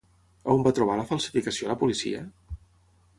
On va trobar la falsificació la policia?